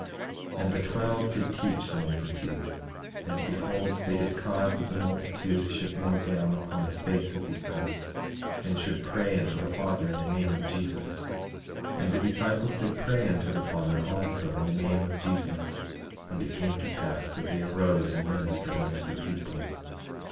19:6 And the twelve did teach the multitude; and behold, they did cause that the multitude should kneel down upon the face of the earth, and should pray unto the Father in the name of Jesus. 19:7 And the disciples did pray unto the Father also in the name of Jesus. And it came to pass that they arose and ministered unto the people.